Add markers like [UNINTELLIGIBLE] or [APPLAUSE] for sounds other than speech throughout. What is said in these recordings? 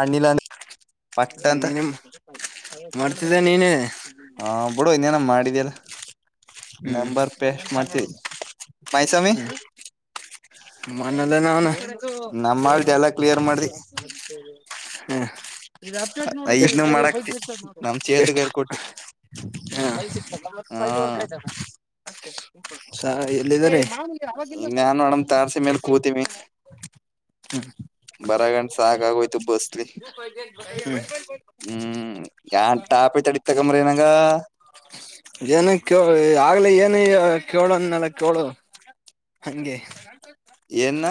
ಅನಿಲಣ್ಣ ಪಟ್ಟ ಅಂತ ನೀನೇ ಮಾಡ್ತಿದ್ದ ನೀನೇ ಹ ಬಿಡು ಇನ್ನೇನ ಮಾಡಿದ್ಯ [INAUDIBLE] ಹ್ಮ್ ಮೈಸಾಮಿ ಹ್ಮ್ ಮನೆಲ ಅವ್ನೆ ನಮ್ಮಳ್ದ ಎಲ್ಲಾ ಕ್ಲಿಯರ್ ಮಾಡ್ದಿ ಹ್ಮ ಐದ್ನು ಮಾಡಾಕ್ತಿ ಎಷ್ಟ್ ನಮ್ ಚೇತ ಎಷ್ಟ್ ಕೈಲ್ ಕೊಟ್ಟಿ ಹಾ ಹಾ ಸಾಯಿ ಇನ್ನ ನೋಡಮ್ ತಾರ್ಸಿ ಮೇಲ್ ಕೂತಿವಿ ಬರಗಂಡ್ ಸಾಕಾಗೋಯ್ತು ಬಸ್ಲಿ ಹ್ಮ್ ಯನ್ ಟಾಪ್ಐತ ಅಡಕ್ ತಗಂಬ್ರಿ ನಾಗ ಆಗ್ಲೆ ಏನ್ ಕೇಳು ಅಂದ್ನಲ್ಲ ಕೇಳು ಹಂಗೆ ಎನ್ನ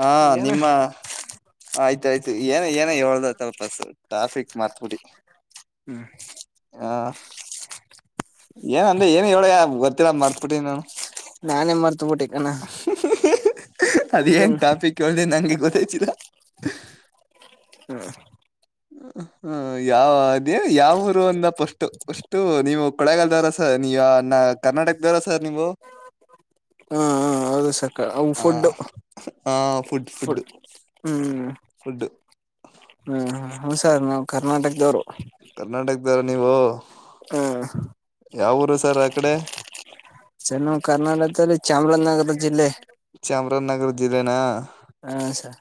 ಹಾ ಏನ ನಿಮ್ಮ ಆಯ್ ಆಯ್ತಾಯ್ತು ಏನ ಏನ ಹೇಳ್ದಲ್ಪಸ್ ಟ್ರಾಫಿಕ್ ಮಾರ್ತ್ಬುಡಿ ಹ್ಮ್ ಆಹ್ ಏನ ಅಂದ್ರೆ ಏನ್ ಹೇಳ್ದ ಗೊತ್ತಿಲ್ಲ ಮಾರ್ತ್ಬಿಟ್ಟಿನಣ ನಾನೇ ಮರ್ತ ಬಿಟ್ಟಿಕಣ ಅಹ್ ಹ್ ಹ್ ಅದ್ ಏನ್ ಟಾಪಿಕ್ ಹೇಳಿ ನಂಗೆ ಗೊತ್ [UNINTELLIGIBLE] ಹ್ಮ್ ಹ್ಮ ಯಾ ಅದೇ ಯಾವೂರು ಅಂದ ಪಸ್ಟು. ಪಷ್ಟು ನೀವು ಕೊಳ್ಳೇಗಾಲ್ದಾರ ಸರ್ ನೀ ಯಾವ್ ನ ಕರ್ನಾಟಕ ದವ್ರ ಸರ್ ನೀವು ಹಾ ಹ ಹೌದು ಸಕ ಹ ಫುಡ್ ಹ ಫುಡ್ ಫು ಫುಡ್ ಹ್ಮ್ ಫುಡ್ ಹ್ಮ್ ಹ ಹ ಸರ್ ನಾವು ಕರ್ನಾಟಕದವ್ರೆ ಕರ್ನಾಟಕದವ್ರ ನೀವು? ಹ್ಮ ಯಾವ್ ಊರು ಸರ್ ಆ ಕಡೆ ಸರ್ ನಾವು ಕರ್ನಾಟಕದಲ್ಲಿ ಚಾಮರಾಜನಗರ ಜಿಲ್ಲೆ ಚಾಮರಾಜನಗರ ಜಿಲ್ಲೆನ ಹ ಸರ್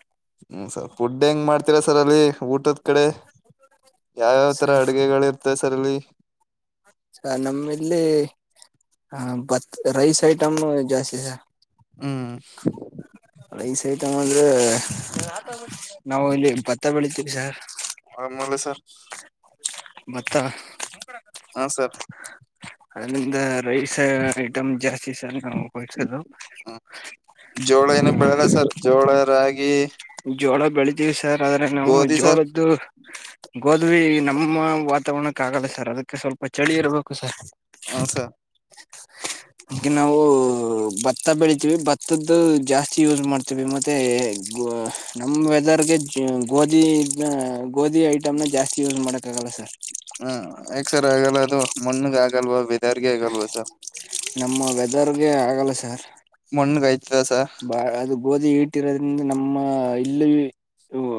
ಹ್ಮ ಸರ್ ಫುಡ್ ಹೆಂಗ್ ಮಾಡ್ ತಿರ ಸರಲ್ಲಿ ಊಟದ್ ಕಡೆ ಯಾವ್ಯಾವ್ ತರ ಸರ್ ಅಡ್ಗೆಗಳಿರ್ತವೆ ಸರ್ ತರಲಿ ಸರ್ ನಮ್ಮಿಲ್ಲಿ ಬತ್ ರೈಸ್ ಐಟಮ್ ಜಾಸ್ತಿ ಸರ್ ಉ ಹ್ಮ್ ರೈಸ್ ಐಟಮ್ ಅಂದ್ರೆ ನಾವು ಇಲ್ಲಿ ಭತ್ತ ಬೆಳಿತೀವಿ. ವಿಸಾರ್ ಆಮೂಲೆ ಸರ್. ಭತ್ತ ಹಾ ಸರ್ ಅಂದ ರೈಸ್ ಐಟಮ್ ಜಾಸ್ ವಿಶೇಷ ನಾವು ಬಳ್ಸದು ನಾವು ಗಿ ಜೋಳ ಬೆಳೀತೀವಿ ಸ್ ಸರ್ ಆದ್ರೆ ನಾವು ಜೋಳದ್ದು ಗೋದ್ವಿ ನಮ್ಮ ವಾತಾವರಣಕ್ಕೆ ಆಗಲ್ಲ ಸರ್ ಅದಕ್ಕೆ ಸ್ವಲ್ಪ ಚಳಿ ಇರ್ಬೇಕು ಸರ್. ಹಾ ಸರ್ ಈಗ ನಾವು ಭತ್ತ ಬೆಳಿತೀವಿ ಭತ್ತದ್ದು ಜಾಸ್ತಿ ಯೂಸ್ ಮಾಡ್ತೀವಿ ಮತ್ತೆ ಗು ನಮ್ ವೆದರ್ಗೆ ಗೋಧಿ ಗೋಧಿ ಐಟಮ್ ನ ಜಾಸ್ತಿ ಯೂಸ್ ಮಾಡಕ್ ಆಗಲ್ಲ ಸರ್ ಹ್ಮ್ ಯಾಕ ಸರ್ ಆಗಲ್ಲಾ ಅದು ಮಣ್ಣಗ ಆಗ ಆಗಲ್ವಾ ವಿತ್. ನಮ್ಮ ವೆದರ್ ಹಗೆ ಆಗಲ್ಲ ಸರ್ ಮಣ್ಣಗಾ ಬಾ ಅದು ಗೋಧಿ ಹೀಟ್ ಇರೋದ್ರಿಂದ ನಮ್ಮ ಹ ಇಲ್ಲಿ ಇವೂ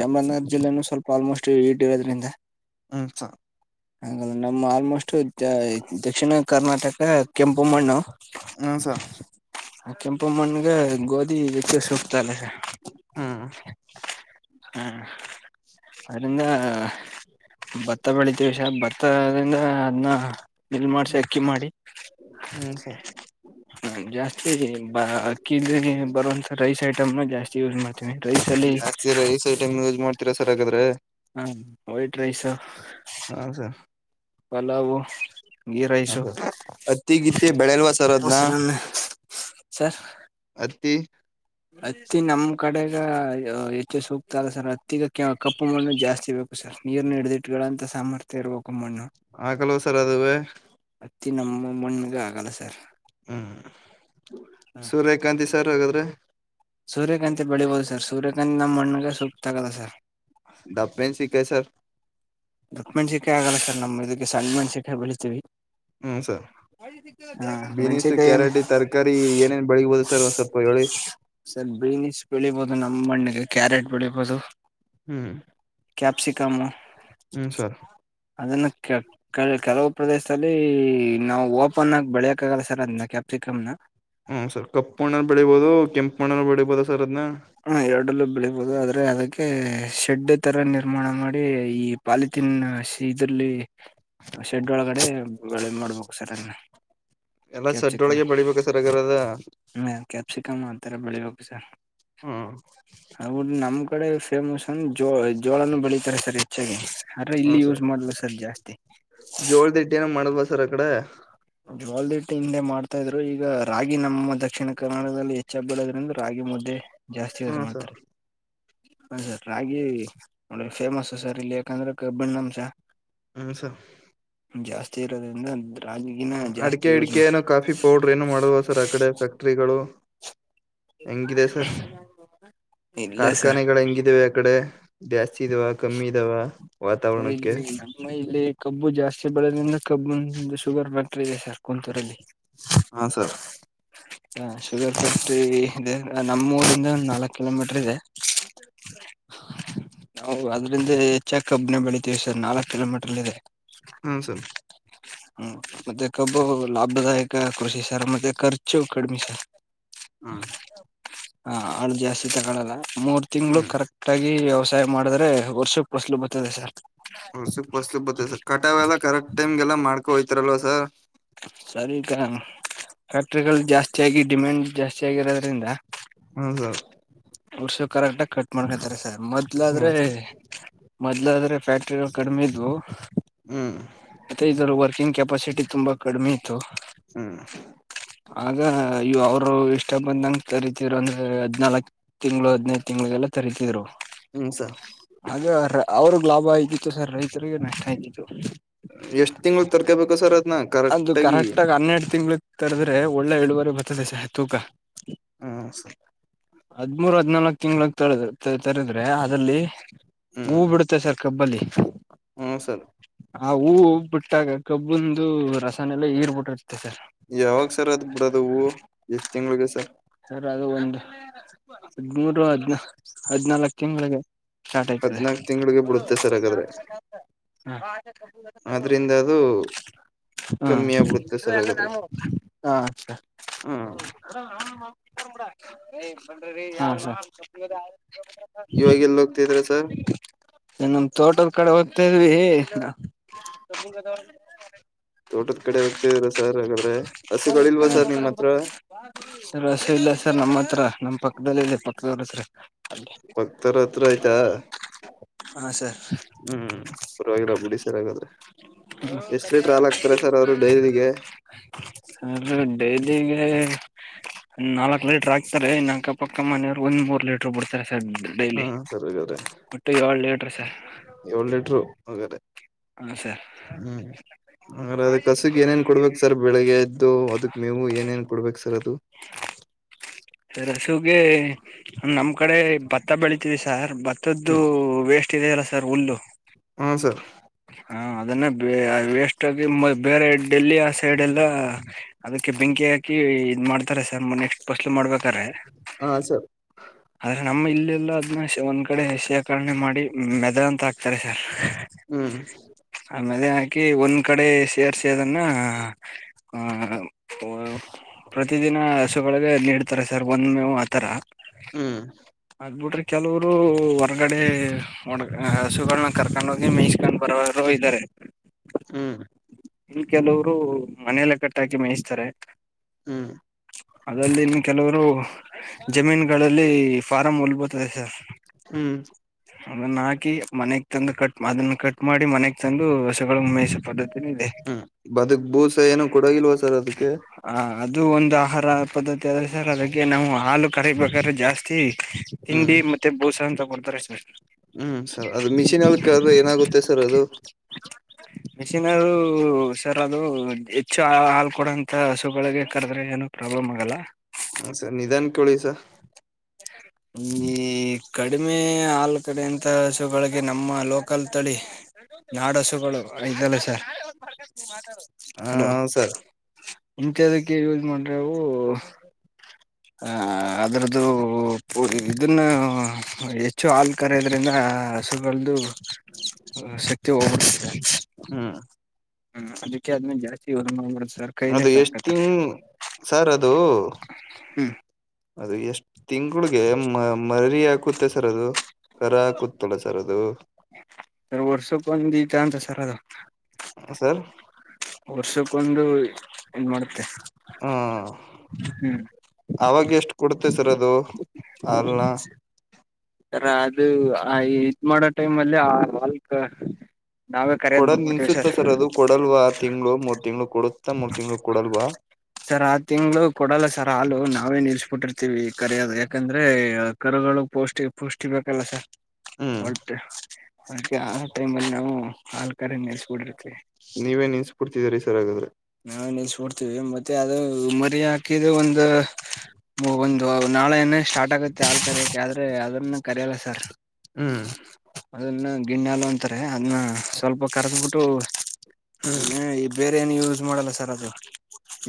ಚಾಮರಾಜನಗರ ಜಿಲ್ಲೆನು ಸ್ವಲ್ಪ ಆಲ್ಮೋಸ್ಟ್ ಹೀಟ್ ಇರೋದ್ರಿಂದ. ಹೂ ಸರ್ ಆಗಲ್ಲ ನಮ್ಮ ಆಲ್ಮೋಸ್ಟ್ ದಕ್ಷಿಣ ಕರ್ನಾಟಕ ಕೆಂಪುಮ್ಮಣ್ಣ ಹೂ ಸರ್ ಆ ಕೆಂಪುಮ್ಮಣ್ಣಗ ಗೋದಿ ವಿಚ್ಚ ಸುಕ್ತಲ್ಲ ಹ್ಮ್ ಹಾ ಅದರಿಂದ ಭತ್ತ ಬೆಳಿ ತೀವಿ ಸರ್ ಅದರಿಂದ ಅದನ್. ಮಿಲ್ ಮಾಡ್ಸಿ ಅಕ್ಕಿ ಮಾಡಿ ಹ್ಮ್ ಸರ್ ನ ಜಾಸ್ತಿ ಬ ಅಕ್ಕಿ ಇಂದಾನೆ ಬರುವಂತ ರೈಸ್ ಐಟಮ್ನ ಜಾಸ್ತಿ ಯೂಸ್ ಮಾಡ್ತೀವಿ ರೈಸ ಅಲ್ಲಿ ಜಾಸ್ತಿ ರೈಸ್ ಐಟಮ್ ಯೂಸ್ ಮಾಡ್ತೀರಾ ಸರ್ ಹಾಗಾದ್ರೆ ಹಾ ವೈಟ್ ರೈಸ ಹಾ ಸರ್ ಹಲ ಓಮ್ಸ್ ಹತ್ತಿ ಗಿತ್ತ ಬೆಳೆಲ್ವಾ ಸರ ಅದ್ನಾ ಮೊಸರನ್ನ ಸರ್ ಹತ್ತಿ ಹತ್ತಿ ನಮ್ ಕಡೆ ಗ ಹೆಚ್ಚು ಸೂಕ್ತ ಅಲ್ಲಾ ಸರ್ ಹತ್ತಿಗ ಕಪ್ಪು ಮಣ್ಣು ಜಾಸ್ತಿ ಬೇಕು ಸರ್ ನೀರ್ನ ಹಿಡಿದಿಟ್ಗಳ ಅಂತ ಸಾಮರ್ಥ್ಯ ಇರಬೇಕು ಮಣ್ಣು ಆಗಲ್ವಾ ಸರ್ ಅದುವೇ ಹತ್ತಿ ನಮ್ಮ ಮಣಗ ಆಗಲ್ಲ ಸರ್ ಹ್ಮ್ ಸೂರ್ಯಕಾಂತಿ ಸರ್ ಹಾಗಾದ್ರೆ ಸೂರ್ಯಕಂತಿ ಬೆಳಿಬಹದು ಸರ್ ಸೂರ್ಯಕಾಂತತ್ ನಮ್ಮ ಮಣ್ಣಿಗ ಸೂಕ್ತ ಆಗಲ್ಲ ಸರ್ ಡಬ್ ಮೆಣಸಿನಕಾಯಿ ಸರ್ ದುಟ್ಟ ಮಣಸೆಕಾಯಿ ಆಗಲ್ಲ ಸರ್ ನಮ್ ಇದಕ್ಕೆ ಸಣ್ಣ ಮಣಸೆಕಾಯಿ ಬೇಳಿತೀವಿ ಹ್ಮ ಸರ್ ಬೀನಸ್ ಮೆಣಸಿಕಾಯಿ ಏನ್ ಕ್ಯಾರೆಟ್ ತರಕಾರಿ ಏನೇನ್ ಬೆಳಗ್ಬೋದು ಸರ್ ಒಂದ್ ಸ್ವಲ್ಪ ಹೇಳಿ ಸರ್ ಬೀನಿಸ್ ಬೆಳಿಬೋದು ನಮ್ಮ ಮಣ್ಣಿಗೆ ಕ್ಯಾರೆಟ್ ಬೆಳೀಬಹದು ಹ್ಮ್ ಕಮ್ಮ ಹ್ಮ್ ಸರ್ ಅದನ್ನು ಕೆ ಕೆಲವು ಪ್ರದೇಶದಲ್ಲಿ ನಾವು ಓಪನ್ ಆಗಿ ಬೆಳಿಯಾಕ ಆಗಲ್ಲ ಸರ್ ಅದ್ನ ಕ್ಯಾಪ್ಸಿಕಂ ನಾ ಹ್ಮ್ ಸರ್ ಕಪ್ಪು ಮಣ್ಣಲೀ ಬೆಳಿಬೋುದು ಕೆಂಪ ಮಣ್ಣ ಅಲ್ಲಿ ಬೆಳಿಬೋದ ಸರ್ ಅದನ್ನ ಹ ಎರಡಲ್ಲೂ ಬೆಳಿಬಹುದು ಆದ್ರೆ ಅದಕ್ಕೆ ಶೆಡ್ ತರ ನಿರ್ಮಾಣ ಮಾಡಿ ಈ ಪಾಲಿಥೀನ್ ಇದ್ರಲ್ಲಿ ಶೆಡ್ ಒಳಗಡೆ ಗಳೇ ಮಾಡ್ಬೇಕು ಸರ್ ಇನ್ನಾ ಎಲ್ಲಾ ಶಡ್ಡೊಳಗೆ ಬೆಳಿಬೇಕ ರಾಗದಡ್ಡ ಕ್ಯಾಪ್ಸಿಕಮ್ ಆತರ ಬೆಳಿಬೇಕು ಸರ್ [UNINTELLIGIBLE] ಹ್ಮ ಆ ಕಡೆ ಫೇಮಸ್ ಒ ಜೋ ಜೋಳನು ಬೆಳೀತಾರೆ ಸರ್ ಹೆಚ್ಚಾಗಿ ಅರ್ರ ಇಲ್ಲಿ ಹ್ಮ್ ಸರ್ ಯೂಸ್ ಮಾಡಲ್ಲ ಸರ್ ಜಾಸ್ತಿ ಜೋಳದ ಹಿಟ್ಟ ಏನೋ ಮಾಡಲ್ವಾ ಸರ್ ಅಕಡೆ ಜೋಳದ ಹಿಟ್ಟು ಹಿಂದೆ ಮಾಡ್ತಾ ಇದ್ರು ಈಗ ರಾಗಿ ನಮ್ಮ ದಕ್ಷಿಣ ಕನ್ನಡದಲ್ಲಿ ಹೆಚ್ಚಾಗಿ ಬೆಳೆಯುವುದರಿಂದ ರಾಗಿ ಮುದ್ದೆ ಜಾಸ್ತಿ ಯೂಸ್ ಹ್ಮ ಸರ್ ಮಾಡ್ತಾರೆ ಹ ಸರ್ ರಾಗಿ ಒಳ್ಳೆ ಫೇಮಸ್ ಸರ್ ಇಲ್ಲಿ ಯಾಕಂದ್ರೆ ಕಬ್ಬಣ್ಣಾಂಶ ಹೂ ಸರ್ ಜಾಸ್ತಿ ಇರೋದ್ರಿಂದ ರಾಗಿ ಹ್ಮ್ ಅಡಿಕೆ ಇಡಿಕೆ ಏನು ಕಾಫಿ ಪೌಡರ್ ಏನನು ಮಾಡಲ್ವ ಸರ್ ಆ ಕಡೆ ಫ್ಯಾಕ್ಟ್ರಿಗಳು ಹೆಂಗಿದೆ ಸರ್ ಇಲ್ಲ ಸರ್ ಕಾರ್ಖಾನೆಗಳು ಹೆಂಗಿದವೆ ಆ ಕಡೆ ಜಾ ಸ್ತಿ ಇದಾವ ಕಮ್ಮಿ ಇದಾವ. ಸರಿ ವಾತಾವರಣಕ್ಕೆ ಇಲ್ಲಿ ನಮ್ಮ ಇಲ್ಲಿ ಕಬ್ಬು ಜಾಸ್ತಿ ಬೆಳದ್ರಿಂದ ಕಬ್ಬು ಶುಗರ್ ಫ್ಯಾ ಕ್ಟರಿ ಇದೇ ಸರ್ ಕುಂತೂರಲ್ಲಿ ಹಾ ಸರ್ ಹ ಶುಗರ್ ಫ್ಯಾಕ್ಟ್ರಿ ಇದೆ ನಮ್ಮೂ ಊರಿಂದ ನಾಲ್ಕ್ ಕಿಲೋಮೀಟರ್ ಇದೆ ನಾವು ಅದ್ರಿಂದ ಹೆಚ್ಚಾಗಿ ಕಬ್ಬು ನೇ ಬೆಳಿತೀವಿ ಸರ್ ನಾಲ್ಕ್ ಕಿಲೋಮೀಟರ್ ಇದೆ. ಹ್ಮ ಸರ್. ಹ್ಮ ಮತ್ತೆ ಕಬ್ಬು ಲಾಭದಾಯಕ ಕೃಷಿ ಸರ್ ಮತ್ತೆ ಖರ್ಚು. ಕಡಮಿ ಸರ್. ಹ್ಮ. ಹಾ ಅಲ್ಲಿ ಜಾಸ್ತಿ ತಗಳಲ್ಲ. ಮೂರ್ ತಿಂಗಳು ಹ್ಮ್ ಕರೆಕ್ಟ್ ಆಗಿ. ವ್ಯವಸಾಯ ಮಾಡಿದ್ರೆ ವರ್ಷಕ್ಕೆ ಪಸಲು ಬರ್ತದೆ ಸರ್. ವರ್ಸಕ್ಕೆ ಪಸಲು ಬತದೆ ಸರ್ ಕಟಾವ ಎಲ್ಲ ಕರೆಕ್ಟ್ ಟೈಮ್ಗೆಲ್ಲ ಮಾಡ್ಕ ಕೊಯ್ತ್ ರಲ್ವ ಸರ್. ಸರಿ ಈಗ ಫ್ಯಾಕ್ಟ್ರಿಗಳು ಜಾಸ್ತಿಯಾಗಿ ಡಿಮ್ಯಾಂಡ್ ಜಾಸ್ತಿಯಾಗಿರೋದ್ರಿಂದ. ಹೌದ ವರ್ಷಕ್ ಕರೆಕ್ಟಾಗ್ ಕಟ್ ಮಾಡ್ಕಂತಾರೆ ಸರ್. ಮೊದ್ಲಾದ್ರೆ ಹ್ಮ್ ಸರ್ ಮೊದ್ಲಾದ್ರೆ ಫ್ಯಾಕ್ಟ್ರಿಗಳ್ ಕಡ್ಮೇ ಇದ್ವು ಹ್ಮ್ ಮತ್ತೆ ಇದ್ರಲ್ ವರ್ಕಿಂಗ್ ಕೆಪಾಸಿಟಿ ತುಂಬಾ ಕಡ್ಮೆ ಇತ್ತು, ಹ್ಮ್ ಆಗ ಅಯ್ಯೋ ಅವ್ರು ಇಷ್ಟ ಬಂದಂಗ್ ಕರಿತಿರು ಅಂದ್ರೆ ಹದ್ನಾಲಕ್ ತಿಂಗ್ಳು ಹದ್ನೈದ್ ತಿಂಗ್ಳಿಗೆಲ್ಲ ಕರಿತಿದ್ರು. ಹ್ಮ್ ಸರ್ ಅದೂ ಅವ್ರ ಅವ್ರ್ಗ್ ಲಾಭ ಆಯ್ದಿತ್ತು ಸರ್ ರೈತರಿಗೆ ನಷ್ಟ ಆಯ್ತಿತ್ತು. ಎಷ್ಟ್ ತಿಂಗಳ ತರ್ಕೋಬೇಕು ಸರ್ ಅದನ್ನ ಅದು ಕರೆಕ್ಟಾಗಿ. ಕರೆಕ್ಟ್ ಆಗ ಹನ್ನೆರಡು ತಿಂಗಳ ತರದ್ರೆ ಒಳ್ಳೆ ಇಡುವರಿ ಬರ್ತದೆ ಸಹ ತೂಕ. ಹ್ಮ ಸ ಹದ್ಮೂರ್ ಹದ್ನಾಲ್ಕು ತಿಂಗಳಂಗೆ ತರ ತರದ್ರೆ ಅದಲ್ಲಿ. ಹೂ ಬಿಡುತ್ತೆ ಸಕರ. ಕಬ್ಬಲ್ಲಿ. ಹ್ಮ ಸರ್. ಆ ಹೂವು ಬಿಟ್ಟಾಗ ಕಬ್ಬುಂದು ರಸಾನ್ನೆಲ್ಲ ಇರ್ಬಿಟಿರುತ್ತೆ. ಯಾವಾಗ ಸರ್ ಅದ್ ಬಿಡೋದು ಹೂವು ಎಷ್ಟ್ ತಿಂಗಳಿಗೆ ಸರ್. ಸರ್ ಅದು ಒಂದು ಹದ್ಮೂರು ಹದ್ನಾಲ್ಕು ತಿಂಗಳಿಗೆ. ಸ್ಟಾರ್ಟ್ ಆಯ್ತದೆ ಹದ್ನಾಕ್ ತಿಂಗಳಿಗೆ ಬಿಡುತ್ತೆ ಸರ್ ಹಾಗಾದ್ರೆ ಆದ್ರಿಂದ ಅದು ಕಮ್ಮಿ ಆಗ್ಬಿಡುತ್ತೆ ಸರ್ ಹಾಗಾದ್ರೆ ಹ [UNINTELLIGIBLE] ಹ ರಿ ಬನ್ರಿ ರಿ [UNINTELLIGIBLE] ಇವಾಗ ಎಲ್ಲಿ ಹೋಗ್ತಿದ್ರ ಸರ್. ನಮ್ಮ ತೋಟದ ಕಡೆ ಹೋಗ್ತಾದ್ವಿ. ತೋಟದ ಕಡೆ ಹೋಗ್ತಿದೀರ ಸರ್ ಹಾಗಾದ್ರೆ ಹಸುಗಳಿಲ್ವಾ ಸರ್ ನಿಮ್ಮ್ ಹತ್ರ. ರಸ ಇಲ್ಲ ಸರ್ ನಮ್ಮ ಹತ್ರ ನಮ್ಮ್ ಪಕ್ಕದಲ್ಲಿ ಇಲ್ಲ ಪಕ್ಕದವ್ರ ಹತ್ರ. ಪಕ್ದವ್ರು ಹತ್ರ ಆಯ್ತಾ ಹಾ ಸರ್ ಹ್ಮ್ ಪರ್ವಾಗಿಲ್ಲ ಬಿುಡಿ ಸರ್ ಹಾಗಾದ್ರೆ ಎಷ್ಟಲಿಟ್ರಲ್ ಆಗ್ತಾರ ಸರ್ ಅವರು ಡೈರಿಗೆ. ಡೈಲಿಗೆ [INAUDIBLE] ನಾಲ್ಕ್ ಲೀಟರ್ ಆಕ್ತಾರೆ ಇನ್ ಅಕ್ಕ ಪಕ್ಕ ಮನೆಯವರು ಒಂದ್ ಮೂರ್ ಲೀಟರ್ ಬುಡ್ತಾರೆ. ಸರ್ ಹಾ ಡೈಲಿ ಸರ್ ಹಾಗಾದ್ರೆ ಒಟ್ಟು ಏಳ್ ಲಟ್ರ ಸರ್. ಮಗದೆ ಹ ಹ್ಮ್ ಅ್ರೆ ಅದ ಕಸುಗ್ ಏನೇನ್ ಕೊಡ್ಬೇಕು ಸರ್ ಬೆಳಿಗ್ಗೆ ಎದ್ದು ಅದಕ್ ಮೇವು ಏನೇನ್ ಕೊಡ್ಬೇಕಕ್ ಸರ್ ಅದು ಸರ್ ಹಸುಗೆ ನಮ್ ಕಡೆ ಭತ್ತ ಬೆಳಿತವಿ ಸಾರ್ ಮದ್ದು ಹ್ಮ್ ವೇಸ್ಟ್ ಇದೆಯಲ್ಲ ಸರ್ ಹುಲ್ಲು ಹಾ ಸರ್ ಹಾ ಅದನ್ನ ಬೆ ವೆಸ್ಟ್ ಆಗಿ ಬೇರೆ ಡೆಲ್ಲಿ ಆ ಸೈಡ್ ಎಲ್ಲ ಅದಕ್ಕೆ ಕ ಬೆಂಕಿ ಹಾಕಿ ಇದ್ ಮಾಡ್ತಾರೆ ಸರ್ ನೆಕ್ಸ್ಟ್ ಬಫಸ್ಲು ಮಾಡ್ಬೇಕಾರೆ ಹಾ ಸರ್ ಆದ್ರೆ ನಮ್ಮ ಇಲ್ಲೆಲ್ಲ ಅದನ್ನ ಒಂದ್ ಕಡೆ ಸೇಕರಣೆ ಮಾಡಿ ಮೆದ ಅಂತ ಹಾಕ್ತಾರೆ ಹ್ಮ್ ಆಮೇಲೆ ಹಾಕಿ ಒಂದ್ ಕಡೆ ಸೇರಿಸಿದನ್ನ ಆಹ ಪ್ರತಿದಿನ ಹಸುಗಳಗ ನೀಡ್ತಾರೆ ಸರ್ ಒಂದ್ ಮೇವು ಆತರ ಹ್ಮ್ ಬಿಟ್ರೆ ಕೆಲವರು ಹೊರ್ಗಡೆ ಒಣ ಹಸುಗಳನ್ನ ಕರ್ಕೊಂಡ್ ಹೋಗಿ ಮೇಯಿಸಸ್ಕೊಂಡ್ ಬರೋವರು ಇದ್ದಾರೆ ಹ್ಮ್ ಇನ್ ಕೆಲವರು ಮನೆಯಲ್ಲ ಕಟ್ಟಾಕಿ ಮೇಯಿಸ್ತಾರೆ ಹ್ಮ್ ಅದಲ್ಲಿನ್ನು ಕೆಲವರು ಜಮೀನಗಳ ಲ್ಲಿ ಫಾರಂ ಹುಲ್ ಬತ್ತದೆ ಸಾರ್. ಹ್ಮು. ಅದನ್ ಹಾಕಿ ಮನೆಗ್ ತಂದು ಕಟ್ ಅದನ್ ಕಟ್ ಮಾಡಿ ಮನೆಗ್ ತಂದು ಹಸುಗಳ್ ಮೇಯ್ಸ್ ಹ್ಮ್ ಬದುಕ್ ಬೂಸ ಏನು ಕೊಡೋಗಿಲ್ವ ಸರ್ ಅದಕ್ಕೆ? ಆ ಅದು ಒಂದ್ ಆಹಾರ ಪದ್ಧತ್ [UNINTELLIGIBLE] ಸರ್ ಅದಕ್ಕೆ ನಾವು ಹಾಲು ಕಡೆಗ್ [UNINTELLIGIBLE] [UNINTELLIGIBLE] ಜಾಸ್ತಿ ಹಿಂಡಿ ಹ್ಮ್ ಮತ್ತೆ ಬೂಸಾ ಅಂತ ಕೊಡ್ [UNINTELLIGIBLE] ಹ್ಮ್ ಸರ್ ಅದು ಮಿಶೀನಲ್ ಕರದ್ರೆ ಏನಾಗುತ್ತೆ ಸರ್ ಅದು? ಮಿಶೀನಲ್ ಸರ್ ಅದು ಹೆಚ್ಚು ಹಾಲ್ ಕೊಡೋಂತ ಹಸುಗಳಿಗೆ ಕರದ್ರೆ ಏನ್ ಪ್ರಾಬ್ಲಮ್ ಆಗಲ್ಲ ಹ್ಮ ಸರ್ ನಿಧಾನ್ ಹೇಳಿ ಸರ್. ಈ ಕಡಿಮೆ ಆಲ್ ಕಡೆೆಯಂತ ಹಸುಗಳಿಗೆ ನಮ್ಮ ಲೋಕಲ್ ತಳಿ ನಾಡು ಹಸುಗಳು ಇದ್ದಲ್ಲ ಸರ್. ಹಾ ಹಲೋ ಸರ್. ಇಂತದಕ್ಕೆ ಯೂಸ್ ಮಾಡ್ರೆ ಅವು. ಹಾ - ಅದರದ್ದು ಇದನ್ನು ಹೆಚ್ಚು ಹಾಲು ಕರದ್ರಿಂದ ಹಸುಗಳ್ದ. ಹ ಶಕ್ತಿ ಹೋಗ್ಬಡ್ತದೆ ಹ್ಮ್ ಹ್ಮ್ ಅದಕ್ಕೆ ಆದ್ಮೇಲೆ ಜಾಸ್ತಿ ಸರ್ ಕೈಲೆ ಅದು ಎಷ್ಟ ಕರ್ಕತಾರೆ ತಿಂಗ ಸಾರ್ ಅದು. ಹ್ಮ್ ಅದು ಎಷ್ಟು. ತಿಂಗಳಗೆ ಮ ಮರರಿಯ ಕೂತ ಸರ್ ಕಾರಾ ಹಾಕುತ್ತಲಾ ಸರ್ ಅದು. ಸರ್ ವರ್ಷಕ್ಕೆ ಒಂದತ ಅಂತ ಸರ್ ಅದು. ಸರ್ ವರ್ಷಕ್ಕೊಂದು ಏನ್ ಮಾಡುತ್ತೆ. ಹ ಹ್ಮ್ ಅವಾಗ ಎಷ್ಟು ಕೊಡ್ತ ಮತ್ತ ಸರ ಅದು. ಅಲ್ಲ. ಸರ ಅದು ಆ ಇದ ಮಾಡೋ ಟೈಮ್ ಅಲ್ಲಿ ಆಲ್ಕ ಕೊಡಲ್ ನಿನ್ಸುತ್ತ ಸರ್ ಅದು ಕೊಡಲ್ವ ಆರು ತಿಂಗಂಗಳು ಮೂರ್ ತಿಂಗ್ಗಳು ಕೊಡುತ್ತ ಮೂರ್ ತಿಂಗ್ಗಳು ಕೊಡಲ್ವಾ ಸರ್ ಆ ತಿಂಗಳು ಕೊಡಲ್ಲ ಸರ್ ಹಾಲು ನಾವೇ ನಿಲ್ಸ್ಬಿಟ್ಟಿರ್ತೀವಿ ಕರಿಯೋದ ಯಾಕಂದ್ರೆ ಕರುಗಳು ಪೌಷ್ಟಿ ಪೌಷ್ಟಿ ಬೇಕಲ್ಲ ಸರ್ ಹ್ಮ್ ಓಕೆ ಅದೆ ಆ ಟೈಮ ಅಲ್ಲಿ ನಾವು ಹಾಲ್ ಕರಿ ನಿಲ್ಸಿ ಬಿಡ್ರಿ ನೀವೇನ್ ನಿನ್ಸ್ಬಿಡ್ತಿದೀರಿ ಸರ್ ಹಾಗಾದ್ರೆ. ಅ ಮರಿ ಹಾಕಿದ ಒಂದು ಒಂದು ನಾಳೆ ಸ್ಟಾರ್ಟ್ ಆಗುತ್ತೆ ಹಾಲ್ ಕರೆಯಕ್ಕೆ ಆದ್ರೆ ಅದನ್ನು ಕರೆಯಲ್ಲ ಸರ್ ಹ್ಮ್ ಅದನ್ನು ಗಿಣ್ಣಹಾಲ್ ಅಂತಾರೆ ಅದನ್ನ ಸ್ವಲ್ಪ ಕರ್ದಬಿಟ್ಟು ಹ್ಮ್ ಈ ಬೇರೆ ಏನು ಯೂಸ್ ಮಾಡಲ್ಲ ಸರ್ ಅದು.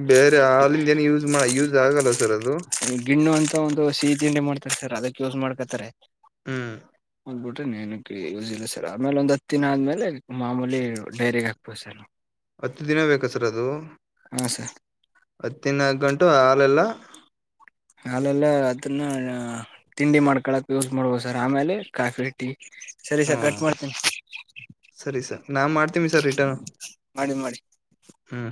ಬೇರೆ ಹಾಲ್ಲಿಂದಾ ಏನು ಯೂಸ್ ಮಾಡ ಯೂಸ್ ಆಗಲ್ಲ ಸರ್ ಅದು. ಗಿಣ್ಣು ಅಂತ ಒಂದು ಸಿಹಿ ತಿಂಡಿ ಮಾಡ್ತಾರೆ ಸರ್ ಅದಕ್ಕೆ ಯೂಸ್ ಮಾಡ್ಕತಾರೆ ಹ್ಮ್. ಬಿಟ್ಟೆನ ಯೂಸ್ ಇಲ್ಲ ಸರ್ ಆಮೇಲೆ ಒಂದ್ ಹತ್ ದಿನ ಆದ್ಮೇಲೆ ಮಾಮೂಲಿ ಡೈರಿಗೆ ಹಾಕ್ಬೋದು ಸರ್. ಹತ್ತು ದಿನ ಬೇಕ ಸರ್ ಅದು. ಹಾ ಸರ್. ಹತ್ತಿನಾಲ್ಕ ಗಂಟು ಹಾಲೆಲ್ಲ. ಹಾಲೆಲ್ಲ ಅದನ್ನ ತಿಂಡಿ ಮಾಡ್ಕಳಕ್ ಯೂಸ್ ಮಾಡ್ಬೋ ಸರ್ ಆಮೇಲೆ ಕಾಫಿ ಟೀ. ಸರಿ ಹ್ಮ ಸರ್ ಕಟ್ ಮಾಡ್ತೀನಿ ಸರಿ ಸರ್ ನಾ ಮಾಡ್ತೀನಿ ಸರ್ ರಿಟರ್ನ್ ಮಾಡಿ ಮಾಡಿ ಹ್ಮ್.